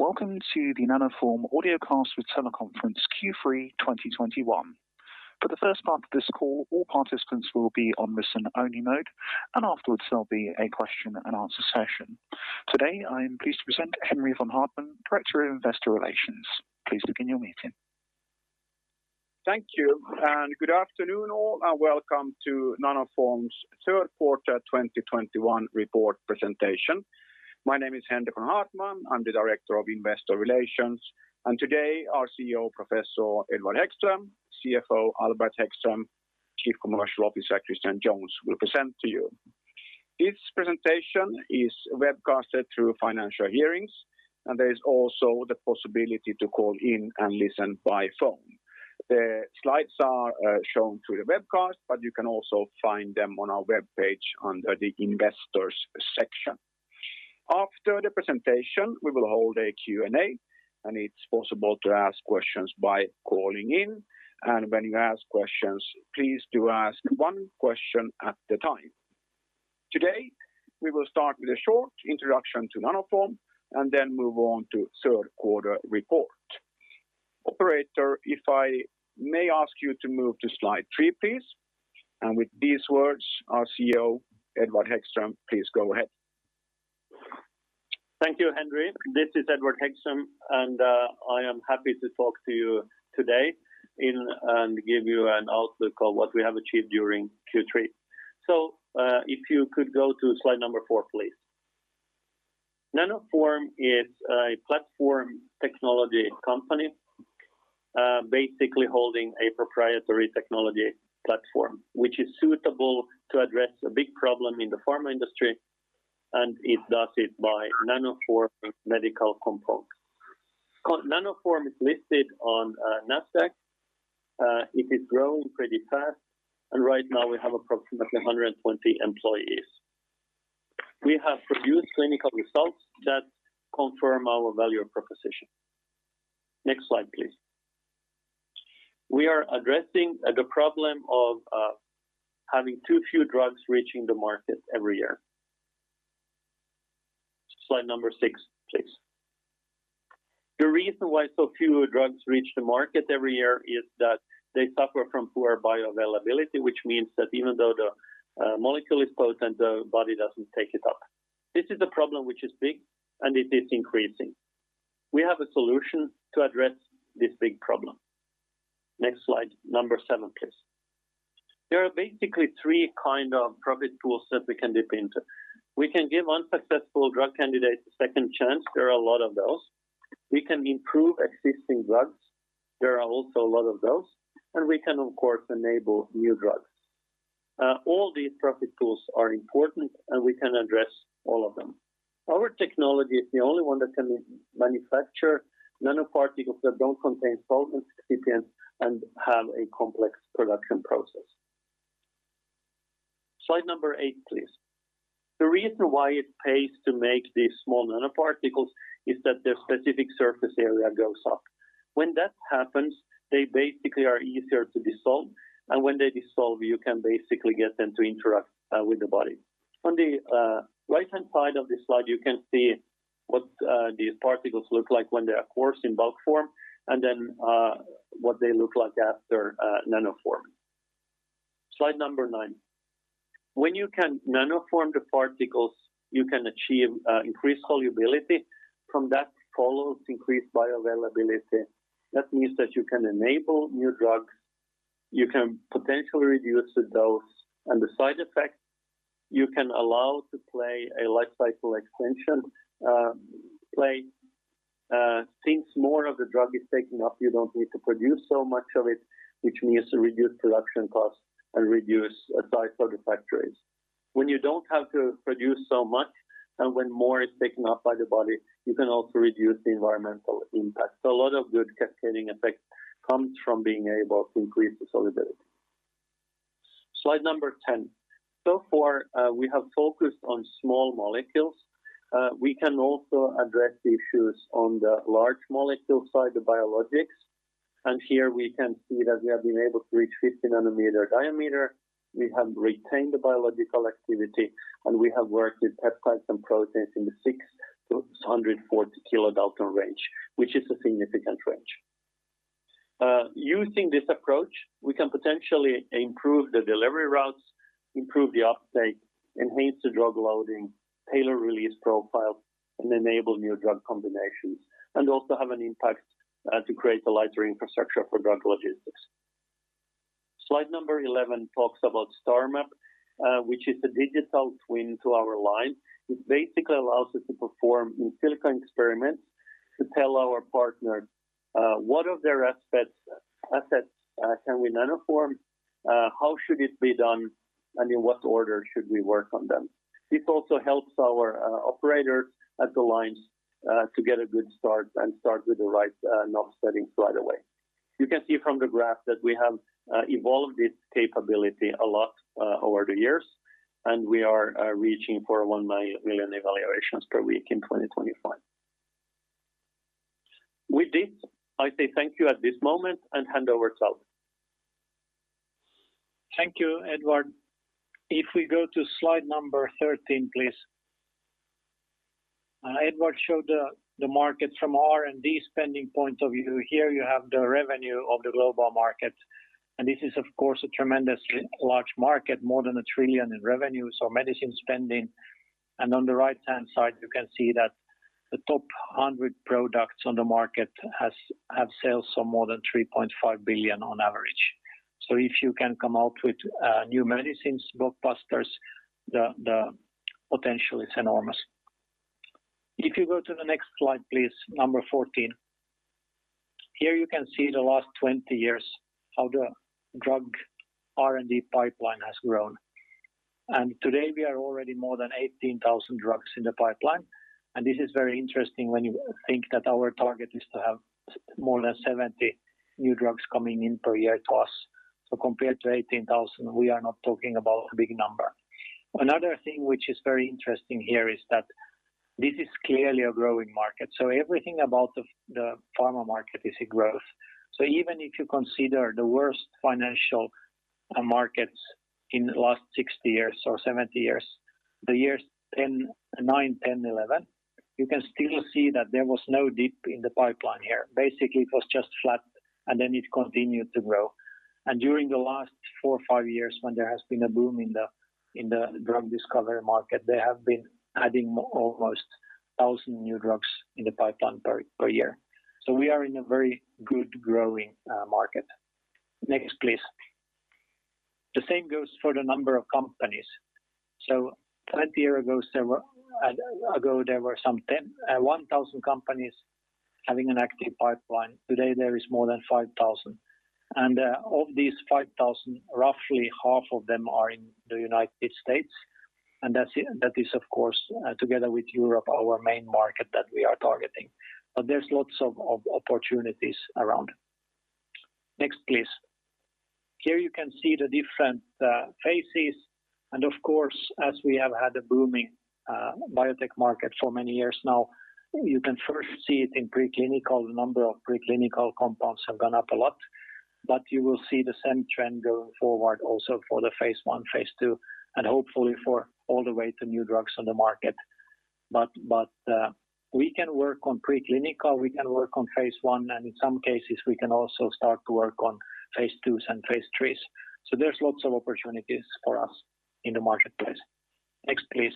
Welcome to the Nanoform Audiocast with Teleconference Q3 2021. For the first part of this call, all participants will be on listen-only mode, and afterwards, there'll be a question and answer session. Today, I am pleased to present Henri von Haartman, Director of Investor Relations. Please begin your meeting. Thank you, and good afternoon all, and welcome to Nanoform's third quarter 2021 report presentation. My name is Henri von Haartman. I'm the Director of Investor Relations. Today our CEO, Professor Edward Hæggström, CFO Albert Hæggström, Chief Commercial Officer, Christian Jones, will present to you. This presentation is webcasted through Financial Hearings, and there is also the possibility to call in and listen by phone. The slides are shown through the webcast, but you can also find them on our webpage under the Investors section. After the presentation, we will hold a Q&A, and it's possible to ask questions by calling in. When you ask questions, please do ask one question at a time. Today, we will start with a short introduction to Nanoform and then move on to third quarter report. Operator, if I may ask you to move to slide three, please. With these words, our CEO, Edward Hæggström, please go ahead. Thank you, Henry. This is Edvard Haeggström, and I am happy to talk to you today and give you an outlook of what we have achieved during Q3. If you could go to slide four, please. Nanoform is a platform technology company, basically holding a proprietary technology platform, which is suitable to address a big problem in the pharma industry, and it does it by nanoforming medical compounds. Nanoform is listed on NASDAQ. It is growing pretty fast, and right now we have approximately 120 employees. We have produced clinical results that confirm our value proposition. Next slide, please. We are addressing the problem of having too few drugs reaching the market every year. Slide number six, please. The reason why so few drugs reach the market every year is that they suffer from poor bioavailability, which means that even though the molecule is potent, the body doesn't take it up. This is a problem which is big, and it is increasing. We have a solution to address this big problem. Next slide, seven, please. There are basically three kind of profit pools that we can dip into. We can give unsuccessful drug candidates a second chance. There are a lot of those. We can improve existing drugs. There are also a lot of those. We can, of course, enable new drugs. All these profit pools are important, and we can address all of them. Our technology is the only one that can manufacture nanoparticles that don't contain solvents, excipients, and have a complex production process. Slide eight, please. The reason why it pays to make these small nanoparticles is that their specific surface area goes up. When that happens, they basically are easier to dissolve. When they dissolve, you can basically get them to interact with the body. On the right-hand side of this slide, you can see what these particles look like when they are coarse in bulk form, and then what they look like after nanoformed. Slide number nine. When you can nanoform the particles, you can achieve increased solubility. From that follows increased bioavailability. That means that you can enable new drugs, you can potentially reduce the dose and the side effects. You can enable life cycle extension. Since more of the drug is taken up, you don't need to produce so much of it, which means reduced production costs and reduce size for the factories. When you don't have to produce so much and when more is taken up by the body, you can also reduce the environmental impact. A lot of good cascading effect comes from being able to increase the solubility. Slide number 10. So far, we have focused on small molecules. We can also address the issues on the large molecule side, the biologics. Here we can see that we have been able to reach 50 nanometer diameter. We have retained the biological activity, and we have worked with peptides and proteins in the six-640 kilodalton range, which is a significant range. Using this approach, we can potentially improve the delivery routes, improve the uptake, enhance the drug loading, tailor release profile, and enable new drug combinations, and also have an impact to create a lighter infrastructure for drug logistics. Slide number 11 talks about STARMAP, which is the digital twin to our line. It basically allows us to perform in silico experiments to tell our partner what of their assets can we nanoform, how should it be done, and in what order should we work on them. This also helps our operators at the lines to get a good start and start with the right knob settings right away. You can see from the graph that we have evolved this capability a lot over the years, and we are reaching for 1 million evaluations per week in 2025. With this, I say thank you at this moment and hand over to Albert Hæggström. Thank you, Edward. If we go to slide number 13 please. Edward showed the market from R&D spending point of view. Here you have the revenue of the global market, and this is of course a tremendously large market, more than $1 trillion in revenue, so medicine spending. On the right-hand side you can see that the top 100 products on the market have sales of more than $3.5 billion on average. If you can come out with new medicines, blockbusters, the potential is enormous. If you go to the next slide please, number 14. Here you can see the last 20 years how the drug R&D pipeline has grown. Today we are already more than 18,000 drugs in the pipeline, and this is very interesting when you think that our target is to have more than 70 new drugs coming in per year to us. Compared to 18,000, we are not talking about a big number. Another thing which is very interesting here is that this is clearly a growing market. Everything about the pharma market is growth. Even if you consider the worst financial markets in the last 60 years or 70 years, the years 2009, 2010, 2011, you can still see that there was no dip in the pipeline here. Basically, it was just flat and then it continued to grow. During the last four or five years when there has been a boom in the drug discovery market, they have been adding almost 1,000 new drugs in the pipeline per year. We are in a very good growing market. Next, please. The same goes for the number of companies. 20 years ago, there were about 1,000 companies having an active pipeline. Today there is more than 5,000. Of these 5,000, roughly half of them are in the United States. That is of course, together with Europe, our main market that we are targeting. There's lots of opportunities around. Next, please. Here you can see the different phases. Of course, as we have had a booming biotech market for many years now, you can first see it in preclinical. The number of preclinical compounds have gone up a lot. We can work on preclinical, we can work on phase I, and in some cases we can also start to work on phase IIs and phase IIIs. There's lots of opportunities for us in the marketplace. Next, please.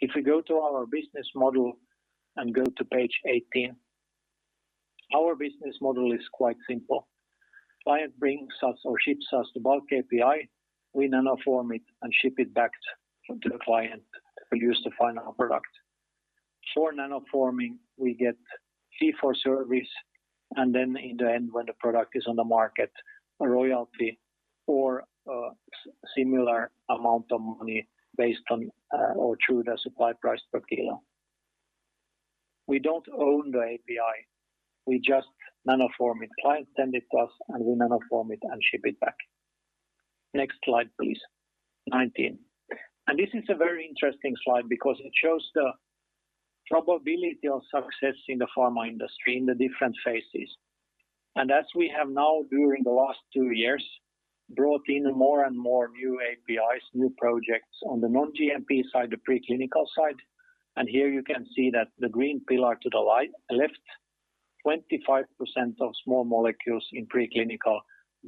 If we go to our business model and go to page 18. Our business model is quite simple. Client brings us or ships us the bulk API, we nanoform it and ship it back to the client who use the final product. For nanoforming, we get fee for service, and then in the end when the product is on the market, a royalty or similar amount of money based on or through the supply price per kilo. We don't own the API, we just nanoform it. Client send it to us, and we nanoform it and ship it back. Next slide please. 19. This is a very interesting slide because it shows the probability of success in the pharma industry in the different phases. As we have now during the last two years brought in more and more new APIs, new projects on the non-GMP side, the preclinical side, and here you can see that the green pillar to the left, 25% of small molecules in preclinical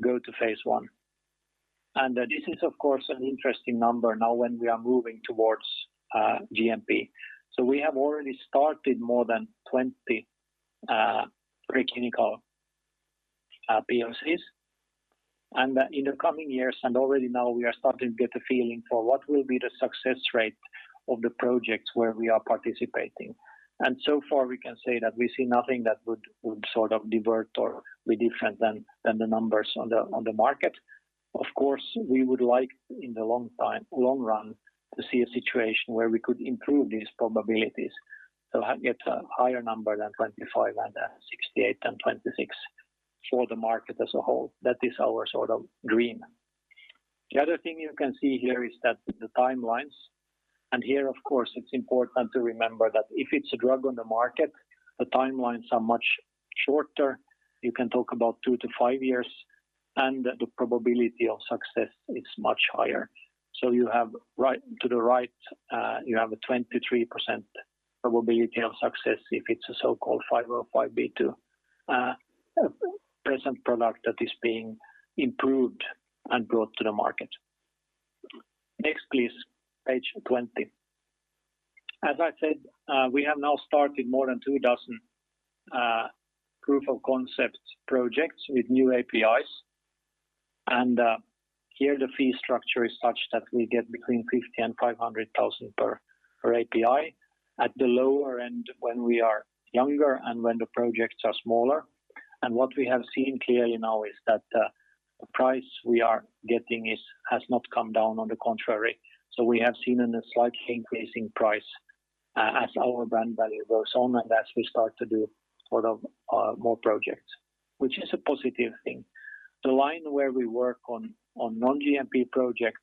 go to phase I. This is of course an interesting number now when we are moving towards GMP. We have already started more than 20 preclinical POCs. In the coming years, and already now we are starting to get a feeling for what will be the success rate of the projects where we are participating. So far we can say that we see nothing that would sort of divert or be different than the numbers on the market. Of course, we would like in the long time, long run to see a situation where we could improve these probabilities to have get a higher number than 25 and 68 and 26 for the market as a whole. That is our sort of dream. The other thing you can see here is that the timelines, and here, of course, it's important to remember that if it's a drug on the market, the timelines are much shorter. You can talk about two to five years, and the probability of success is much higher. To the right, you have a 23% probability of success if it's a so-called 505(b)(2) present product that is being improved and brought to the market. Next please. Page 20. As I said, we have now started more than two dozen proof of concept projects with new APIs. Here the fee structure is such that we get between 50,000 and 500,000 per API. At the lower end, when we are younger and when the projects are smaller. What we have seen clearly now is that the price we are getting has not come down. On the contrary, we have seen a slight increase in price as our brand value goes on and as we start to do sort of more projects, which is a positive thing. The line where we work on non-GMP projects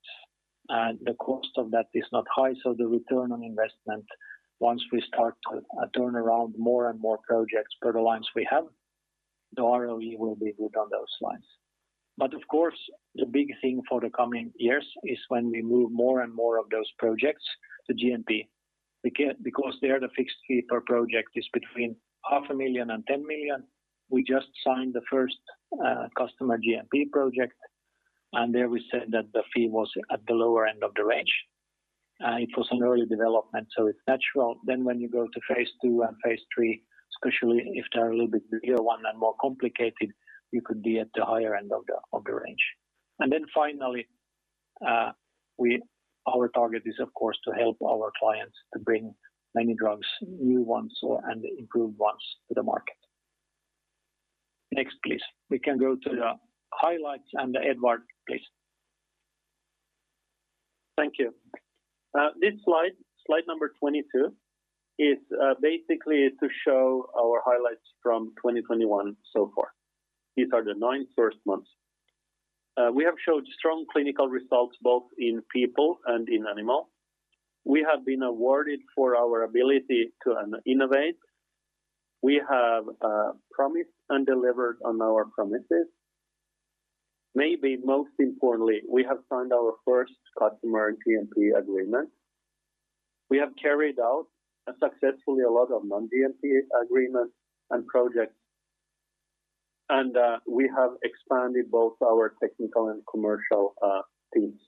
The cost of that is not high, so the return on investment, once we start to turn around more and more projects per the lines we have, the ROI will be good on those lines. Of course, the big thing for the coming years is when we move more and more of those projects to GMP. Because there, the fixed fee per project is between 0.5 Million and 10 million. We just signed the first customer GMP project, and there we said that the fee was at the lower end of the range. It was an early development, so it's natural. When you go to phase II and phase III, especially if they're a little bit bigger one and more complicated, you could be at the higher end of the range. Finally, our target is, of course, to help our clients to bring many drugs, new ones and improved ones to the market. Next, please. We can go to the highlights under Edvard, please. Thank you. This slide number 22, is basically to show our highlights from 2021 so far. These are the first nine months. We have showed strong clinical results, both in people and in animal. We have been awarded for our ability to innovate. We have promised and delivered on our promises. Maybe most importantly, we have signed our first customer GMP agreement. We have carried out successfully a lot of non-GMP agreements and projects. We have expanded both our technical and commercial teams.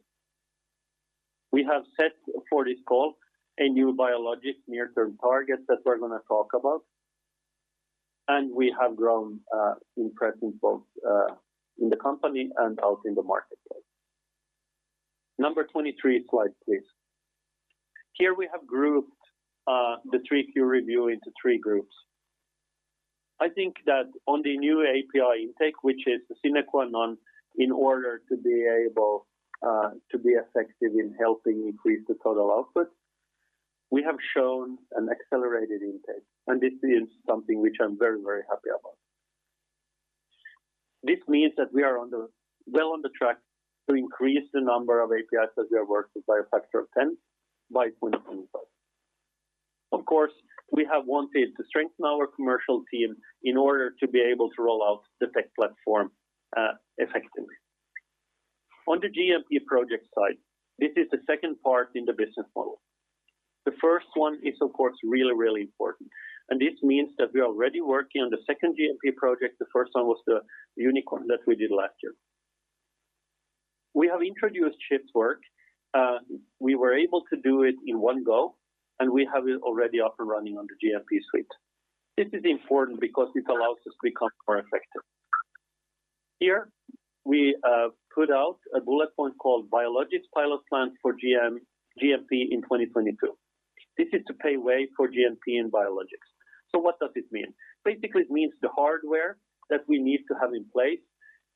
We have set for this call a new biologics near-term target that we're gonna talk about. We have grown in presence both in the company and out in the marketplace. Number 23 slide, please. Here we have grouped the Q3 review into three groups. I think that on the new API intake, which is the sine qua non, in order to be able to be effective in helping increase the total output, we have shown an accelerated intake. This is something which I'm very, very happy about. This means that we are on the track to increase the number of APIs that we are working by a factor of 10 by 2025. Of course, we have wanted to strengthen our commercial team in order to be able to roll out the tech platform effectively. On the GMP project side, this is the second part in the business model. The first one is, of course, really important. This means that we are already working on the second GMP project. The first one was the unicorn that we did last year. We have introduced shift work. We were able to do it in one go, and we have it already up and running on the GMP suite. This is important because it allows us to become more effective. Here, we put out a bullet point called biologics pilot plant for GMP in 2022. This is to pave way for GMP and biologics. What does this mean? Basically, it means the hardware that we need to have in place,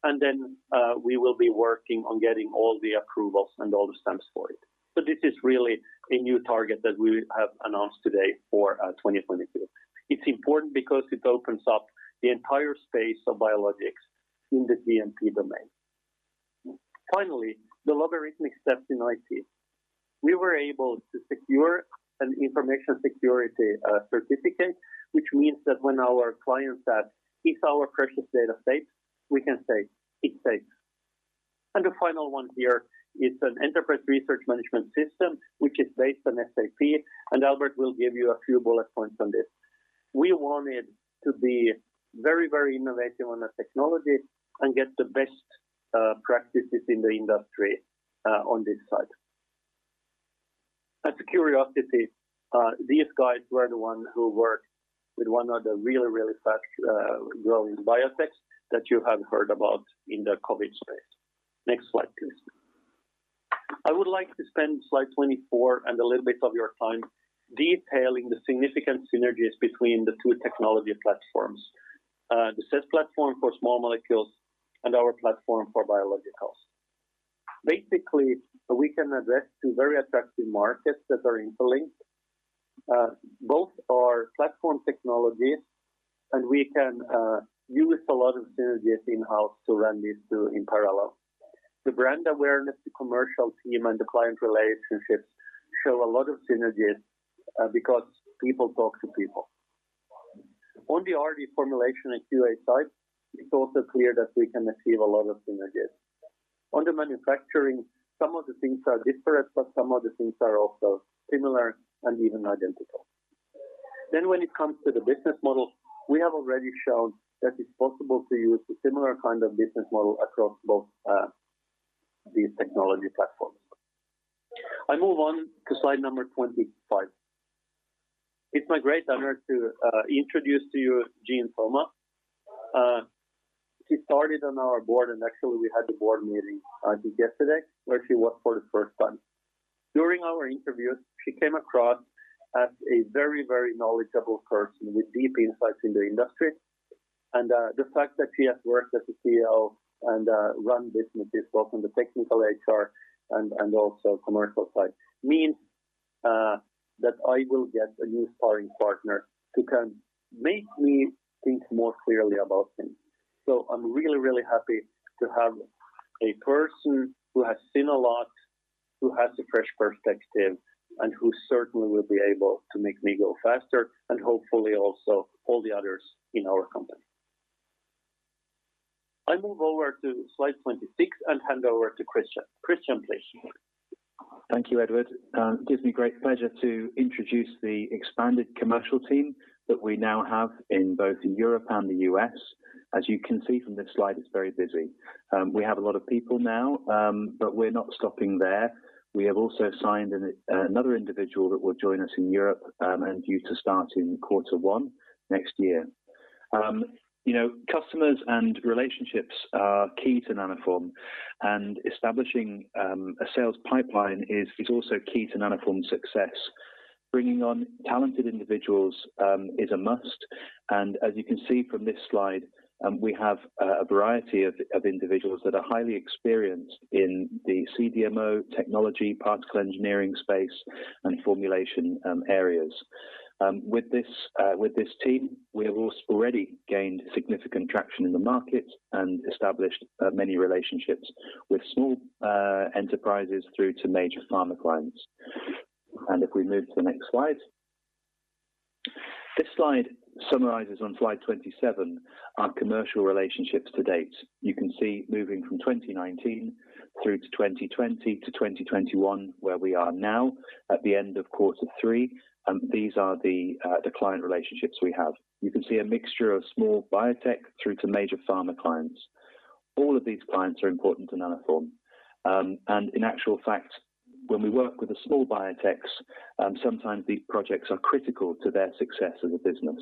and then, we will be working on getting all the approvals and all the stamps for it. This is really a new target that we have announced today for 2022. It's important because it opens up the entire space of biologics in the GMP domain. Finally, the logical steps in IT. We were able to secure an information security certificate, which means that when our clients ask, "Is our precious data safe?" We can say, "It's safe." The final one here is an enterprise resource management system, which is based on SAP, and Albert will give you a few bullet points on this. We wanted to be very, very innovative on the technology and get the best practices in the industry on this side. As a curiosity, these guys were the ones who work with one of the really, really fast growing biotechs that you have heard about in the COVID space. Next slide, please. I would like to spend slide 24 and a little bit of your time detailing the significant synergies between the two technology platforms, the CESS® platform for small molecules and our platform for biologicals. Basically, we can address two very attractive markets that are interlinked. Both are platform technologies, and we can use a lot of synergies in-house to run these two in parallel. The brand awareness, the commercial team, and the client relationships show a lot of synergies, because people talk to people. On the R&D formulation and QA side, it's also clear that we can achieve a lot of synergies. On the manufacturing, some of the things are disparate, but some of the things are also similar and even identical. When it comes to the business model, we have already shown that it's possible to use a similar kind of business model across both these technology platforms. I move on to slide number 25. It's my great honor to introduce to you Jeanne Thoma. She started on our board, and actually we had the board meeting yesterday, where she was for the first time. During our interview, she came across as a very, very knowledgeable person with deep insights in the industry. The fact that she has worked as a CEO and run businesses both on the technical HR and also commercial side means that I will get a new sparring partner who can make me think more clearly about things. I'm really, really happy to have a person who has seen a lot, who has a fresh perspective, and who certainly will be able to make me go faster and hopefully also all the others in our company. I move over to slide 26 and hand over to Christian. Christian, please. Thank you, Edward. It gives me great pleasure to introduce the expanded commercial team that we now have in both Europe and the US As you can see from this slide, it's very busy. We have a lot of people now, but we're not stopping there. We have also signed another individual that will join us in Europe, and due to start in quarter one next year. You know, customers and relationships are key to Nanoform, and establishing a sales pipeline is also key to Nanoform's success. Bringing on talented individuals is a must, and as you can see from this slide, we have a variety of individuals that are highly experienced in the CDMO technology, particle engineering space and formulation areas. With this team, we have already gained significant traction in the market and established many relationships with small enterprises through to major pharma clients. If we move to the next slide. This slide summarizes on slide 27 our commercial relationships to date. You can see moving from 2019 through to 2020 to 2021, where we are now at the end of quarter three. These are the client relationships we have. You can see a mixture of small biotech through to major pharma clients. All of these clients are important to Nanoform. In actual fact, when we work with the small biotechs, sometimes these projects are critical to their success as a business.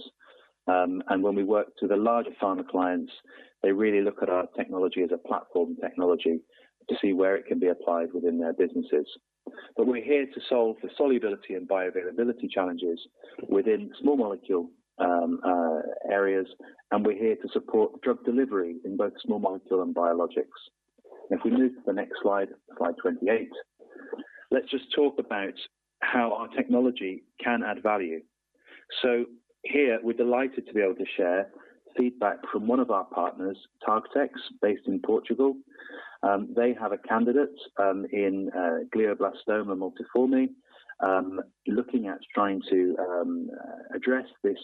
When we work to the larger pharma clients, they really look at our technology as a platform technology to see where it can be applied within their businesses. We're here to solve the solubility and bioavailability challenges within small molecule areas, and we're here to support drug delivery in both small molecule and biologics. If we move to the next slide 28, let's just talk about how our technology can add value. Here we're delighted to be able to share feedback from one of our partners, TargTex, based in Portugal. They have a candidate in glioblastoma multiforme, looking at trying to address this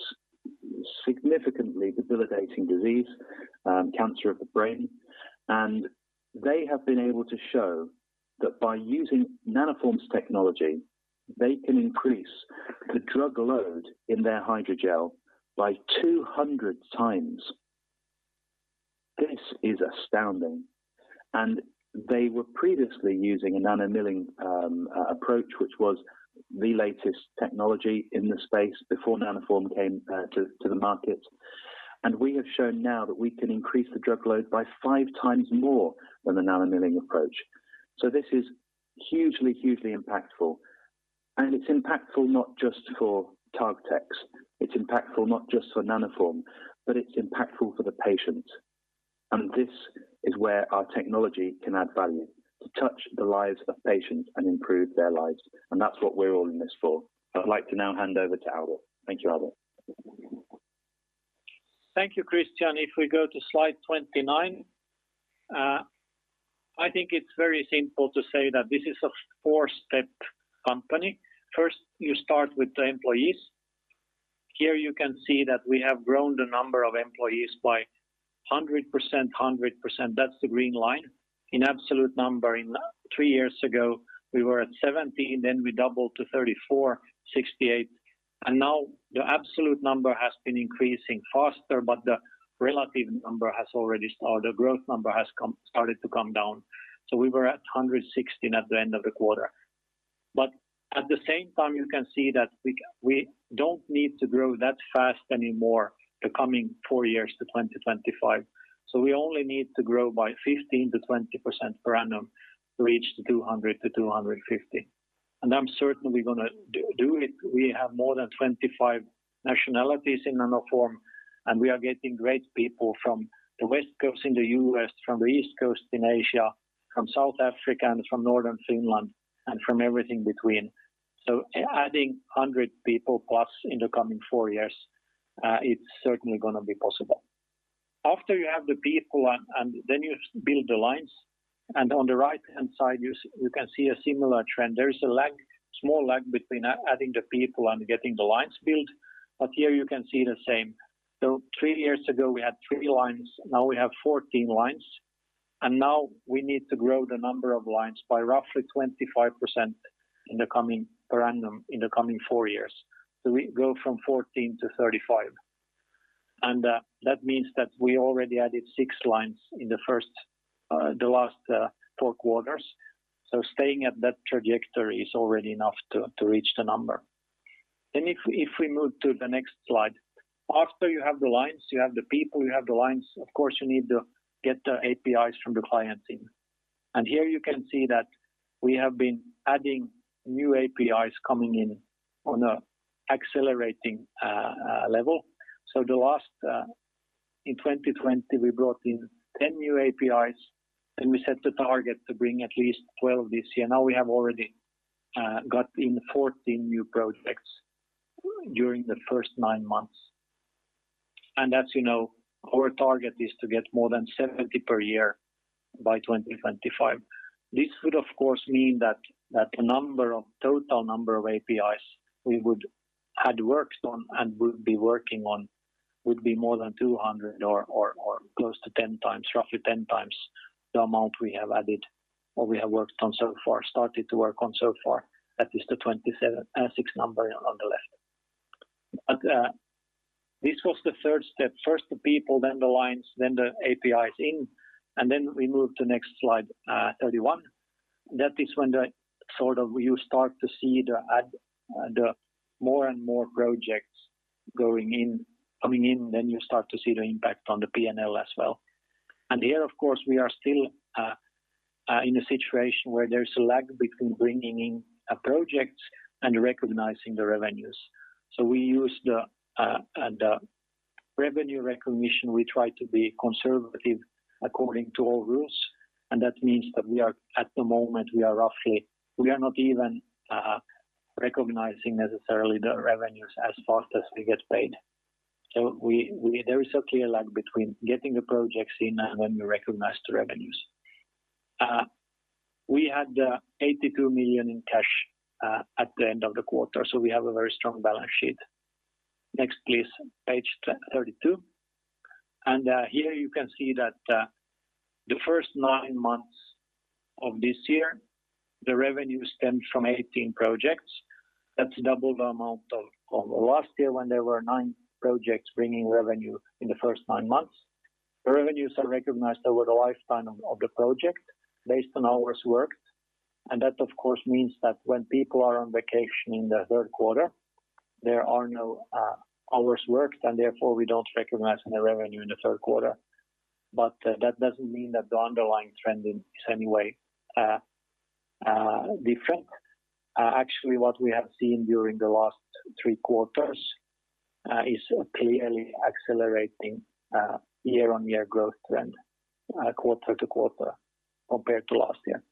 significantly debilitating disease, cancer of the brain. They have been able to show that by using Nanoform's technology, they can increase the drug load in their hydrogel by 200 times. This is astounding. They were previously using a nanomilling approach, which was the latest technology in the space before Nanoform came to the market. We have shown now that we can increase the drug load by 5x more than the nanomilling approach. This is hugely impactful. It's impactful not just for TargTex, it's impactful not just for Nanoform, but it's impactful for the patient. This is where our technology can add value, to touch the lives of patients and improve their lives. That's what we're all in this for. I'd like to now hand over to Albert. Thank you, Albert. Thank you, Christian. If we go to slide 29. I think it's very simple to say that this is a four-step company. First, you start with the employees. Here you can see that we have grown the number of employees by 100%. That's the green line. In absolute number, three years ago, we were at 17, then we doubled to 34, 68, and now the absolute number has been increasing faster, but the relative number has already or the growth number has started to come down. We were at 116 at the end of the quarter. At the same time, you can see that we don't need to grow that fast anymore the coming four years to 2025. We only need to grow by 15%-20% per annum to reach 200-250. I'm certain we're gonna do it. We have more than 25 nationalities in Nanoform, and we are getting great people from the West Coast in the US, from the East Coast in Asia, from South Africa, and from northern Finland, and from everything between. Adding 100 people plus in the coming four years, it's certainly gonna be possible. After you have the people and then you build the lines, and on the right-hand side, you can see a similar trend. There is a lag, a small lag between adding the people and getting the lines built. Here you can see the same. Three years ago, we had three lines. Now we have 14 lines. Now we need to grow the number of lines by roughly 25% per annum in the coming four years. We go from 14 to 35. That means that we already added six lines in the last four quarters. Staying at that trajectory is already enough to reach the number. If we move to the next slide. After you have the lines, you have the people, you have the lines, of course, you need to get the APIs from the clients in. Here you can see that we have been adding new APIs coming in on an accelerating level. In 2020, we brought in 10 new APIs, and we set the target to bring at least 12 this year. Now we have already got in 14 new projects during the first nine months. As you know, our target is to get more than 70 per year by 2025. This would of course mean that the total number of APIs we would had worked on and will be working on would be more than 200 or close to 10x, roughly 10x the amount we have worked on so far. That is the 276 number on the left. This was the third step. First the people, then the lines, then the APIs, and then we move to next slide, 31. That is when you start to see the more and more projects going in, coming in, then you start to see the impact on the P&L as well. Here, of course, we are still in a situation where there's a lag between bringing in a project and recognizing the revenues. We use the revenue recognition. We try to be conservative according to all rules, and that means that we are, at the moment, roughly not even recognizing necessarily the revenues as fast as we get paid. There is a clear lag between getting the projects in and when we recognize the revenues. We had 82 million in cash at the end of the quarter, so we have a very strong balance sheet. Next, please, page 32. Here you can see that the first nine months of this year, the revenue stemmed from 18 projects. That's double the amount of last year when there were nine projects bringing revenue in the first nine months. The revenues are recognized over the lifespan of the project based on hours worked. That of course means that when people are on vacation in the third quarter, there are no hours worked, and therefore we don't recognize any revenue in the third quarter. That doesn't mean that the underlying trending is any way different. Actually, what we have seen during the last three quarters is a clearly accelerating year-on-year growth trend, quarter-to-quarter compared to last year.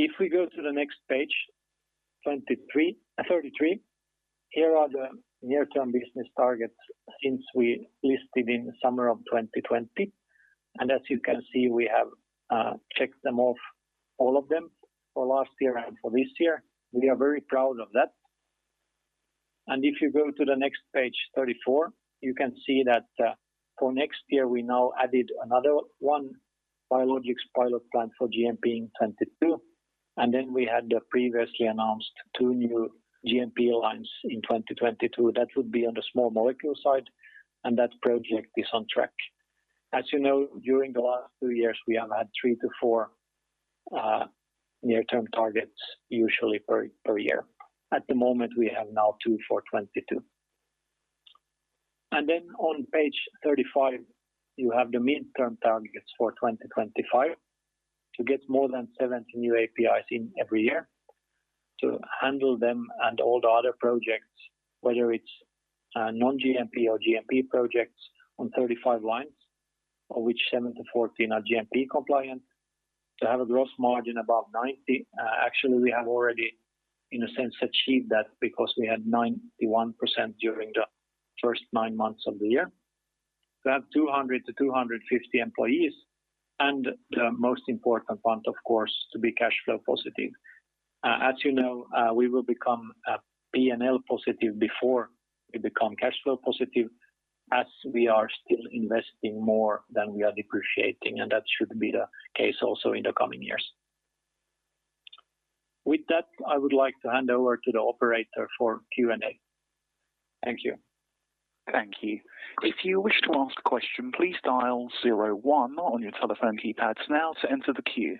If we go to the next page, 23, 33, here are the near-term business targets since we listed in the summer of 2020. As you can see, we have checked them off, all of them, for last year and for this year. We are very proud of that. If you go to the next page, 34, you can see that for next year we now added another one biologics pilot plant for GMP in 2022. Then we had the previously announced two new GMP lines in 2022. That would be on the small molecule side, and that project is on track. As you know, during the last two years we have had three to four near-term targets usually per year. At the moment, we have now two for 2022. On page 35, you have the midterm targets for 2025 to get more than 70 new APIs in every year to handle them and all the other projects, whether it's non-GMP or GMP projects on 35 lines, of which 7-14 are GMP compliant, to have a gross margin above 90%. Actually we have already in a sense achieved that because we had 91% during the first nine months of the year. To have 200-250 employees and the most important point of course to be cash flow positive. As you know, we will become P&L positive before we become cash flow positive as we are still investing more than we are depreciating, and that should be the case also in the coming years. With that, I would like to hand over to the operator for Q&A. Thank you. Thank you. If you wish to ask a question, please dial zero one on your telephone keypads now to enter the queue.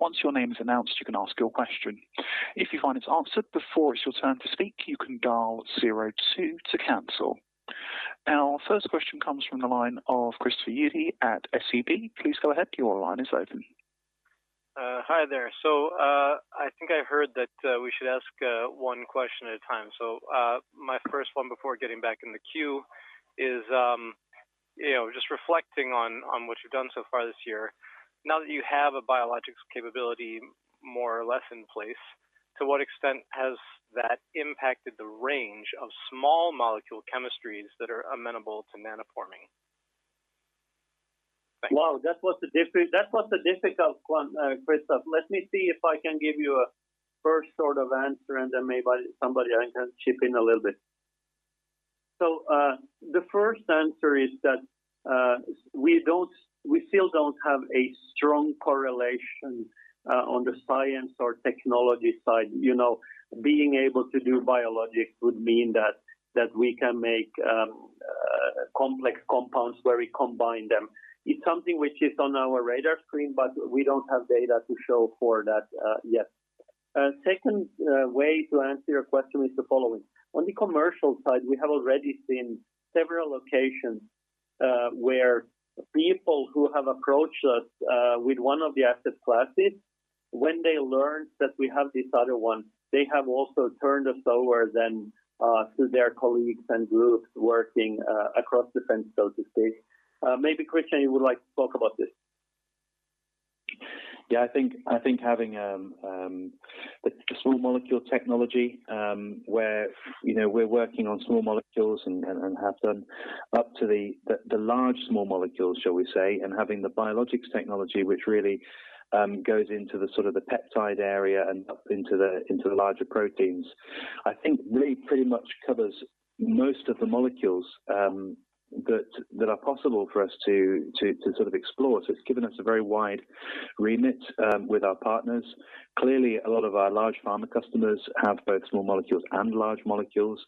Once your name is announced, you can ask your question. If you find it's answered before it's your turn to speak, you can dial zero two to cancel. Our first question comes from the line of Christopher Uhde at SEB. Please go ahead, your line is open. Hi there. I think I heard that we should ask one question at a time. My first one before getting back in the queue is, you know, just reflecting on what you've done so far this year. Now that you have a biologics capability more or less in place, to what extent has that impacted the range of small molecule chemistries that are amenable to nanoforming? Thank you. Wow, that was a difficult one, Christopher. Let me see if I can give you a first sort of answer and then maybe somebody else can chip in a little bit. The first answer is that we don't, we still don't have a strong correlation on the science or technology side. You know, being able to do biologics would mean that we can make complex compounds where we combine them. It's something which is on our radar screen, but we don't have data to show for that yet. Second way to answer your question is the following. On the commercial side, we have already seen several locations. Where people who have approached us with one of the asset classes, when they learn that we have this other one, they have also turned us over then to their colleagues and groups working across the fence, so to speak. Maybe Christian, you would like to talk about this. Yeah. I think having the small molecule technology, where, you know, we're working on small molecules and have done up to the large small molecules, shall we say, and having the biologics technology which really goes into the sort of peptide area and up into the larger proteins, I think really pretty much covers most of the molecules that are possible for us to sort of explore. It's given us a very wide remit with our partners. Clearly, a lot of our large pharma customers have both small molecules and large molecules,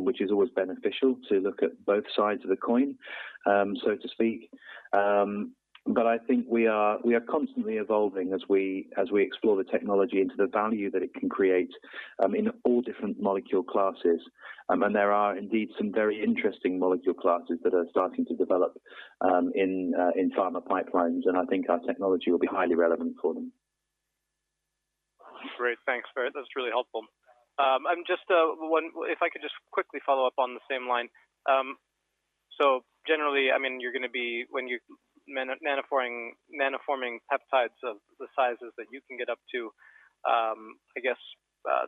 which is always beneficial to look at both sides of the coin, so to speak. I think we are constantly evolving as we explore the technology into the value that it can create in all different molecule classes. There are indeed some very interesting molecule classes that are starting to develop in pharma pipelines, and I think our technology will be highly relevant for them. Great. Thanks for it. That's really helpful. If I could just quickly follow up on the same line. So generally, I mean, you're gonna be when you're nanoforming peptides of the sizes that you can get up to, I guess,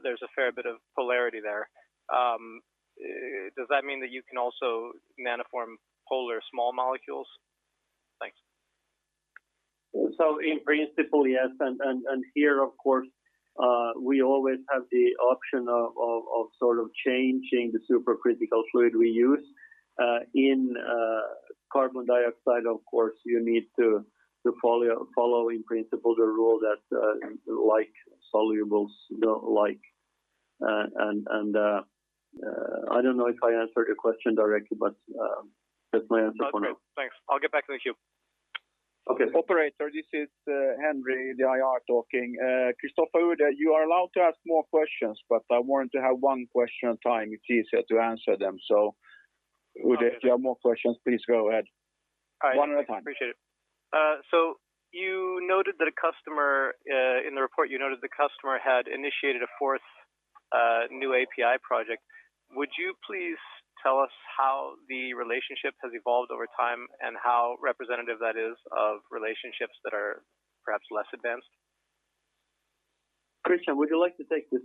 there's a fair bit of polarity there. Does that mean that you can also nanoform polar small molecules? Thanks. In principle, yes. Here, of course, we always have the option of sort of changing the supercritical fluid we use. In carbon dioxide, of course, you need to follow, in principle, the rule that like dissolves like. I don't know if I answered your question directly, but that's my answer for now. Okay. Thanks. I'll get back to the queue. Okay. Operator, this is Henry, the IR talking. Christopher, you are allowed to ask more questions, but I want to have one question at a time. It's easier to answer them. If you have more questions, please go ahead. All right. One at a time. I appreciate it. You noted that a customer in the report had initiated a fourth new API project. Would you please tell us how the relationship has evolved over time and how representative that is of relationships that are perhaps less advanced? Christian, would you like to take this?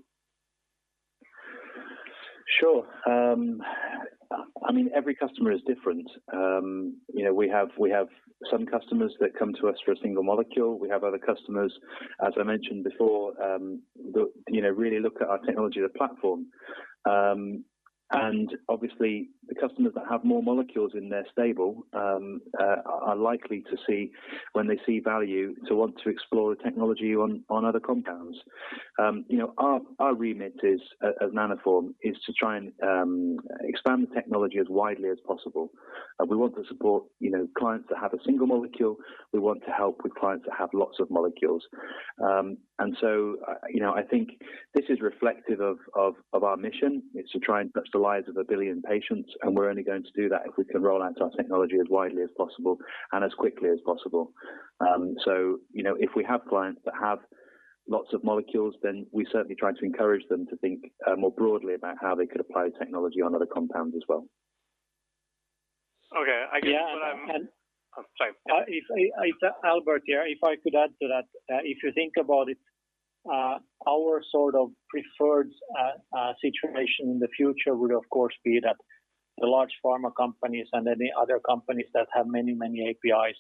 Sure. I mean, every customer is different. You know, we have some customers that come to us for a single molecule. We have other customers, as I mentioned before, that you know, really look at our technology as a platform. Obviously, the customers that have more molecules in their stable are likely to see when they see value to want to explore the technology on other compounds. You know, our remit is, at Nanoform, to try and expand the technology as widely as possible. We want to support you know, clients that have a single molecule. We want to help with clients that have lots of molecules. You know, I think this is reflective of our mission. It's to try and touch the lives of a billion patients, and we're only going to do that if we can roll out our technology as widely as possible and as quickly as possible. You know, if we have clients that have lots of molecules, then we certainly try to encourage them to think more broadly about how they could apply technology on other compounds as well. Okay. I guess. Yeah. I'm sorry. Albert here. If I could add to that. If you think about it, our sort of preferred situation in the future would of course be that the large pharma companies and any other companies that have many, many APIs,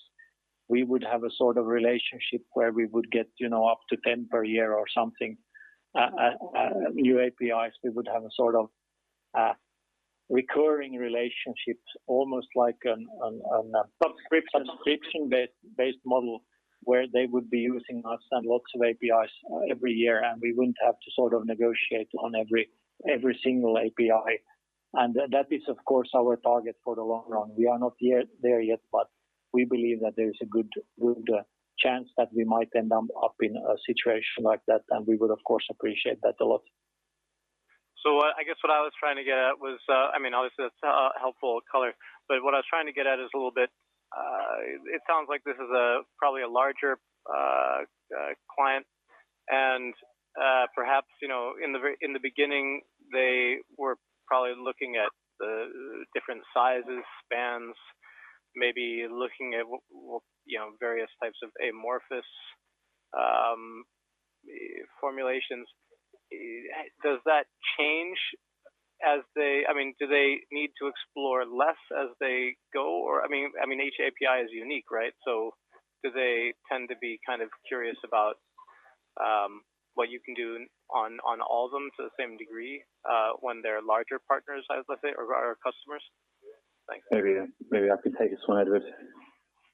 we would have a sort of relationship where we would get, you know, up to 10 per year or something, new APIs. We would have a sort of recurring relationships, almost like. Subscription Subscription-based model where they would be using us and lots of APIs every year, and we wouldn't have to sort of negotiate on every single API. That is of course our target for the long run. We are not yet there yet, but we believe that there's a good chance that we might end up in a situation like that, and we would of course appreciate that a lot. I guess what I was trying to get at was, I mean, obviously that's helpful color, but what I was trying to get at is a little bit, it sounds like this is probably a larger client and, perhaps, you know, in the beginning, they were probably looking at different sizes, spans, maybe looking at, well, you know, various types of amorphous formulations. I mean, do they need to explore less as they go? Or, I mean, each API is unique, right? Do they tend to be kind of curious about what you can do on all of them to the same degree, when they're larger partners, as I say, or customers? Thanks. Maybe I could take this one, Edward.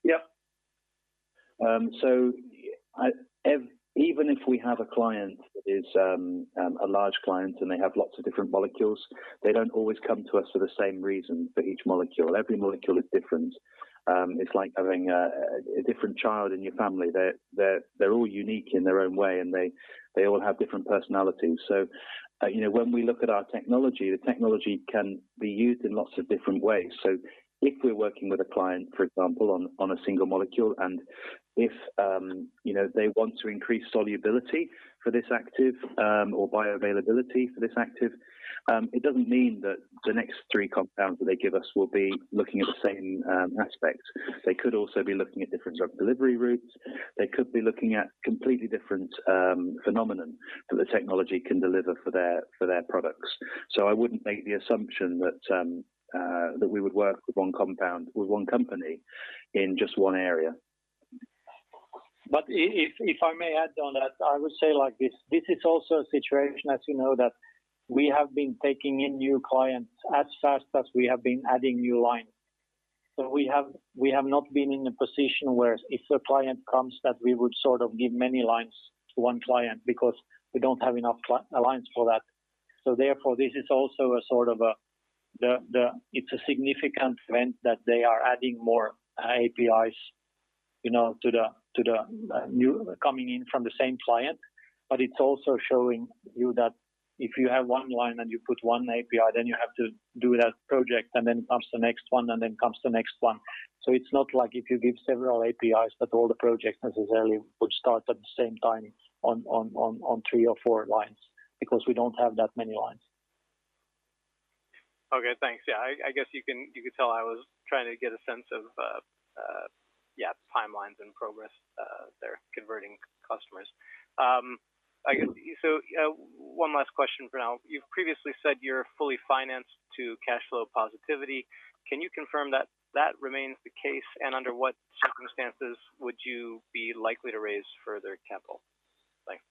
Yeah. Even if we have a client that is a large client and they have lots of different molecules, they don't always come to us for the same reason for each molecule. Every molecule is different. It's like having a different child in your family. They're all unique in their own way, and they all have different personalities. You know, when we look at our technology, the technology can be used in lots of different ways. If we're working with a client, for example, on a single molecule, and if you know, they want to increase solubility for this active or bioavailability for this active, it doesn't mean that the next three compounds that they give us will be looking at the same aspect. They could also be looking at different drug delivery routes. They could be looking at completely different phenomenon that the technology can deliver for their products. I wouldn't make the assumption that we would work with one compound with one company in just one area. If I may add on that, I would say like this is also a situation, as you know, that we have been taking in new clients as fast as we have been adding new lines. We have not been in a position where if a client comes that we would sort of give many lines to one client because we don't have enough lines for that. This is also sort of a significant event that they are adding more APIs, you know, to the new ones coming in from the same client. It's also showing you that if you have one line and you put one API, then you have to do that project and then comes the next one and then comes the next one. It's not like if you give several APIs that all the projects necessarily would start at the same time on three or four lines because we don't have that many lines. Okay, thanks. Yeah, I guess you could tell I was trying to get a sense of timelines and progress. They're converting customers. I guess one last question for now. You've previously said you're fully financed to cash flow positivity. Can you confirm that remains the case? And under what circumstances would you be likely to raise further capital? Thanks.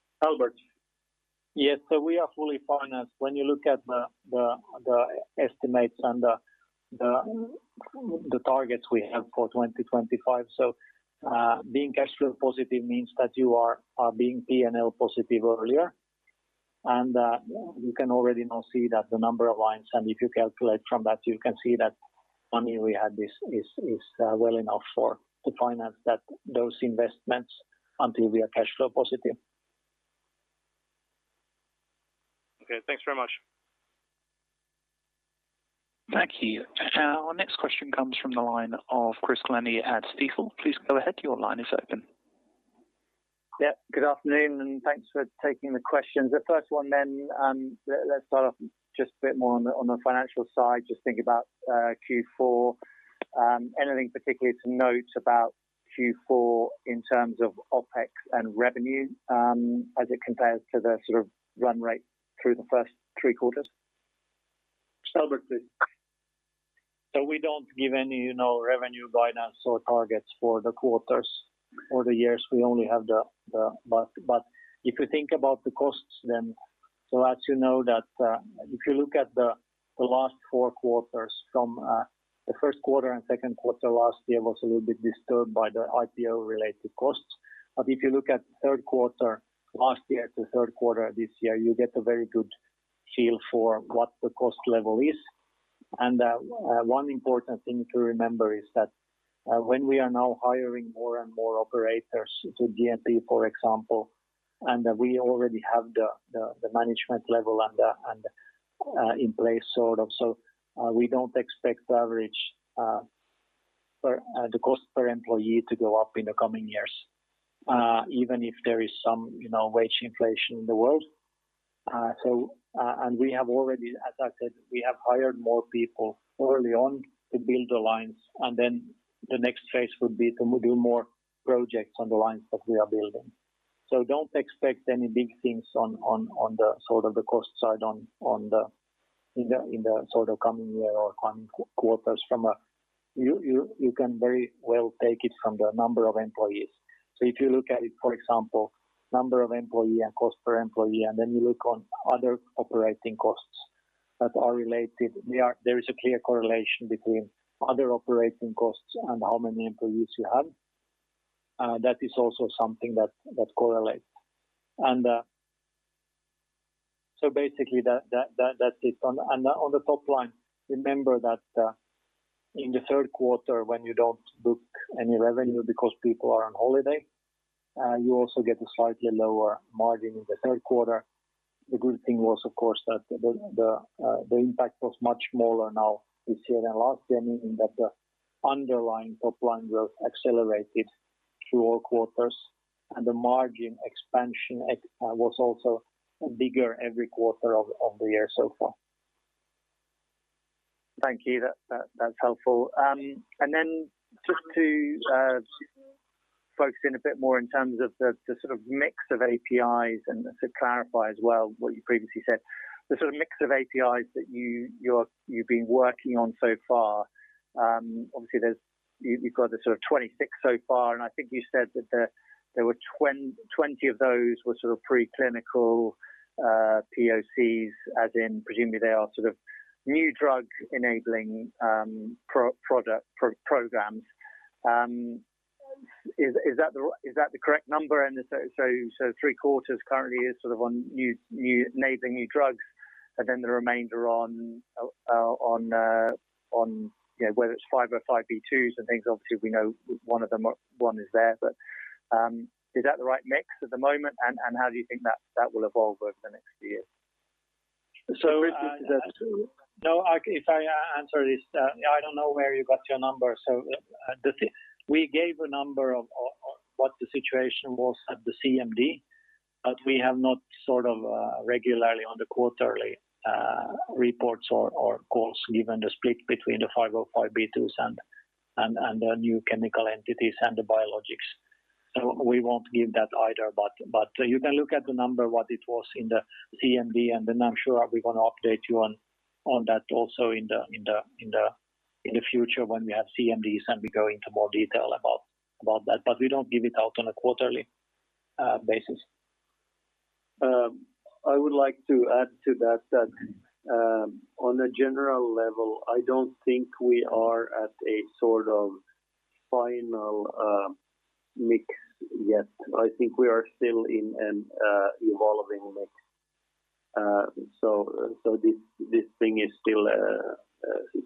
Yes. We are fully financed when you look at the estimates and the targets we have for 2025. Being cash flow positive means that you are being P&L positive earlier. You can already now see that the number of lines, and if you calculate from that, you can see that money we had is well enough to finance that, those investments until we are cash flow positive. Okay, thanks very much. Thank you. Our next question comes from the line of Christian Glennie at Stifel. Please go ahead. Your line is open. Yeah, good afternoon, and thanks for taking the questions. The first one, let's start off just a bit more on the financial side. Just think about Q4. Anything particularly to note about Q4 in terms of OpEx and revenue, as it compares to the sort of run rate through the first three quarters? Albert, please. We don't give any, you know, revenue guidance or targets for the quarters or the years. We only have the. If you think about the costs then, as you know that, if you look at the last four quarters from the first quarter and second quarter last year was a little bit disturbed by the IPO related costs. If you look at third quarter last year to third quarter this year, you get a very good feel for what the cost level is. One important thing to remember is that when we are now hiring more and more operators to GMP, for example, and we already have the management level and the in place sort of. We don't expect the average cost per employee to go up in the coming years, even if there is some, you know, wage inflation in the world. We have already, as I said, hired more people early on to build the lines, and then the next phase would be to do more projects on the lines that we are building. Don't expect any big things on the sort of cost side in the sort of coming year or coming quarters. You can very well take it from the number of employees. If you look at it, for example, number of employees and cost per employee, and then you look at other operating costs that are related, they are. There is a clear correlation between other operating costs and how many employees you have. That is also something that correlates. Basically that's it. On the top line, remember that in the third quarter when you don't book any revenue because people are on holiday, you also get a slightly lower margin in the third quarter. The good thing was of course that the impact was much smaller now this year than last year, meaning that the underlying top line growth accelerated through all quarters and the margin expansion was also bigger every quarter of the year so far. Thank you. That's helpful. Then just to focus in a bit more in terms of the sort of mix of APIs and to clarify as well what you previously said. The sort of mix of APIs that you've been working on so far, obviously you've got the sort of 26 so far, and I think you said that 20 of those were sort of preclinical POCs, as in presumably they are sort of new drug enabling programs. Is that the correct number? So three quarters currently is sort of on new naming new drugs, and then the remainder on you know whether it's 505(b)(2)s and things. Obviously, we know one of them or one is there, but is that the right mix at the moment? How do you think that will evolve over the next year? So if- No, if I answer this, I don't know where you got your number. We gave a number of what the situation was at the CMD, but we have not regularly on the quarterly reports or calls given the split between the 505(b)(2)s and the new chemical entities and the biologics. We won't give that either. You can look at the number, what it was in the CMD, and then I'm sure we're gonna update you on that also in the future when we have CMDs and we go into more detail about that. We don't give it out on a quarterly basis. I would like to add to that, on a general level, I don't think we are at a sort of final mix yet. I think we are still in an evolving mix.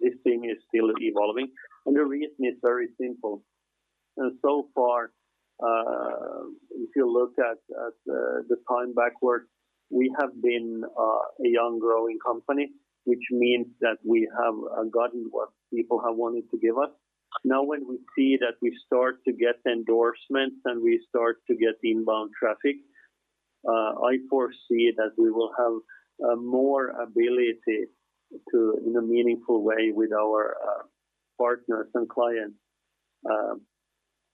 This thing is still evolving. The reason is very simple. So far, if you look at the time backward, we have been a young growing company, which means that we have gotten what people have wanted to give us. Now, when we see that we start to get endorsements and we start to get inbound traffic, I foresee that we will have more ability to, in a meaningful way with our partners and clients,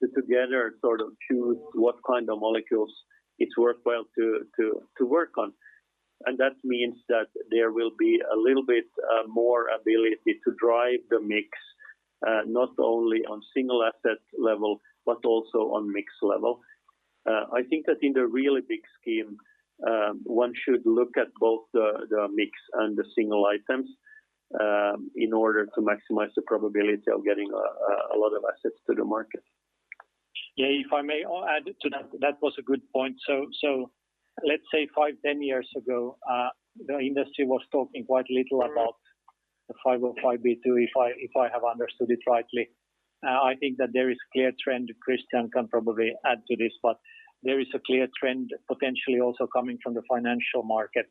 to together sort of choose what kind of molecules it's worthwhile to work on. That means that there will be a little bit more ability to drive the mix, not only on single asset level, but also on mix level. I think that in the really big scheme, one should look at both the mix and the single items in order to maximize the probability of getting a lot of assets to the market. Yeah, if I may add to that. That was a good point. Let's say five, 10 years ago, the industry was talking quite little about the 505(b)(2), if I have understood it rightly. I think that there is clear trend. Christian can probably add to this, but there is a clear trend potentially also coming from the financial market,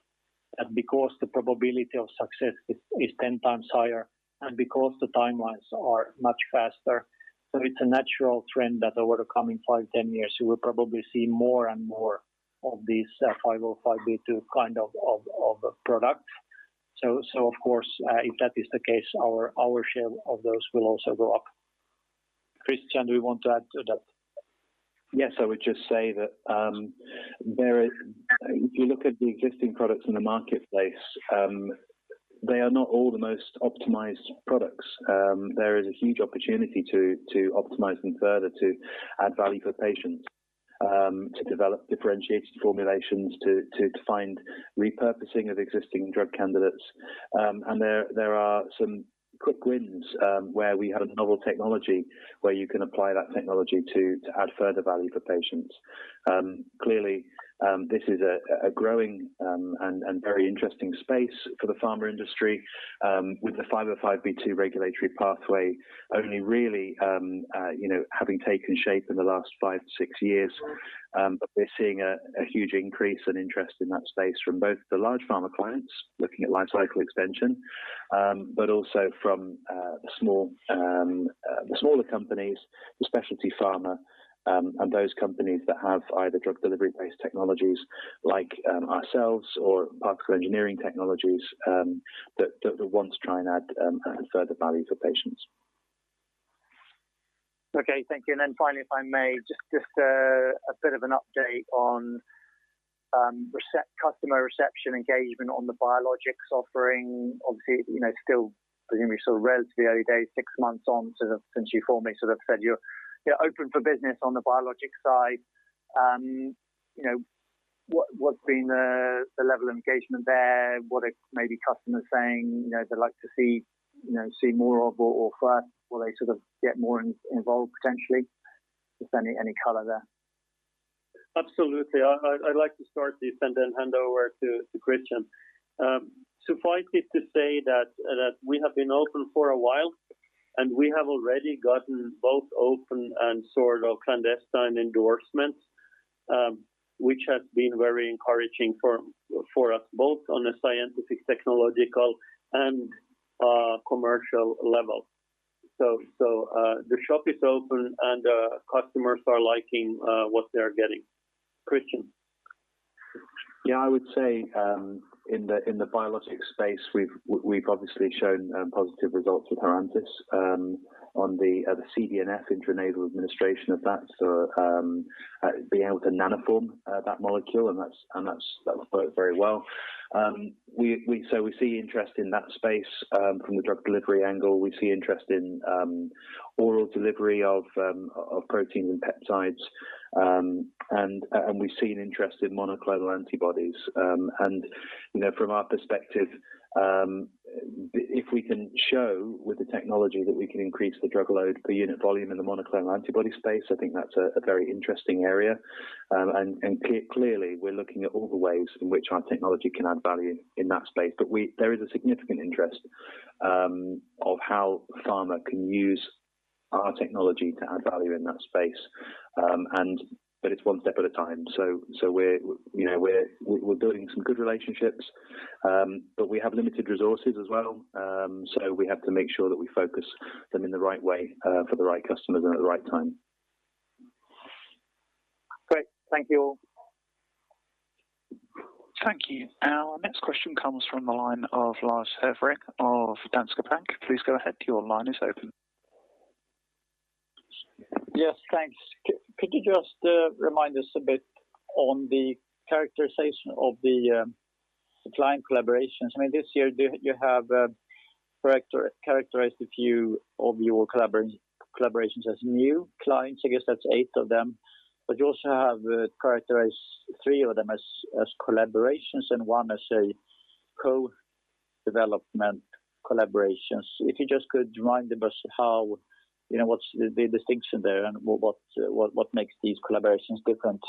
and because the probability of success is 10x higher and because the timelines are much faster. It's a natural trend that over the coming five, 10 years, you will probably see more and more of these 505(b)(2) kind of product. Of course, if that is the case, our share of those will also go up. Christian, do you want to add to that? Yes. I would just say that if you look at the existing products in the marketplace, they are not all the most optimized products. There is a huge opportunity to optimize them further to add value for patients, to develop differentiated formulations, to find repurposing of existing drug candidates. There are some quick wins, where we have a novel technology where you can apply that technology to add further value for patients. Clearly, this is a growing and very interesting space for the pharma industry, with the 505(b)(2) regulatory pathway only really, you know, having taken shape in the last five to six years. We're seeing a huge increase in interest in that space from both the large pharma clients looking at life cycle expansion, but also from the smaller companies, the specialty pharma, and those companies that have either drug delivery-based technologies like ourselves or particular engineering technologies that wants to try and add further value for patients. Okay. Thank you. Finally, if I may, just a bit of an update on recent customer reception engagement on the biologics offering. Obviously, you know, still presumably sort of relatively early days, six months on since you formally sort of said you're open for business on the biologics side. You know, what's been the level of engagement there? What are maybe customers saying? You know, they'd like to see, you know, more of or first, will they sort of get more involved potentially? If any color there. Absolutely. I'd like to start this and then hand over to Christian. Suffice it to say that we have been open for a while, and we have already gotten both open and sort of clandestine endorsements, which has been very encouraging for us both on a scientific, technological and commercial level. The shop is open, and customers are liking what they're getting. Christian. Yeah. I would say, in the biologics space, we've obviously shown positive results with Herantis on the CDNF intranasal administration of that. Being able to nanoform that molecule, and that worked very well. We see interest in that space from the drug delivery angle. We see interest in oral delivery of proteins and peptides. We've seen interest in monoclonal antibodies. You know, from our perspective, if we can show with the technology that we can increase the drug load per unit volume in the monoclonal antibody space, I think that's a very interesting area. Clearly, we're looking at all the ways in which our technology can add value in that space. There is a significant interest of how pharma can use our technology to add value in that space. It's one step at a time. We're, you know, building some good relationships, but we have limited resources as well, so we have to make sure that we focus them in the right way, for the right customers and at the right time. Great. Thank you. Thank you. Our next question comes from the line of Lars Hevreng of Danske Bank. Please go ahead. Your line is open. Yes, thanks. Could you just remind us a bit on the characterization of the client collaborations? I mean, this year you have characterized a few of your collaborations as new clients. I guess that's eight of them. You also have characterized three of them as collaborations and one as a co-development collaboration. If you just could remind us how, you know, what's the distinction there and what makes these collaborations different?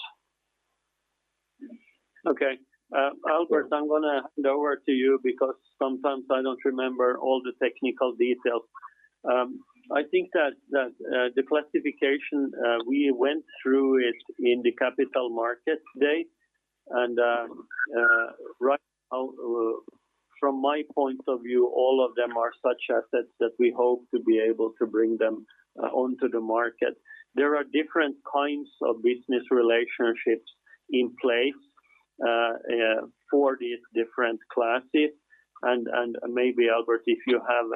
Okay. Albert Hæggström, I'm gonna hand over to you because sometimes I don't remember all the technical details. I think that the classification we went through it in the Capital Markets Day, and right now from my point of view, all of them are such assets that we hope to be able to bring them onto the market. There are different kinds of business relationships in place for these different classes. Maybe Albert Hæggström, if you have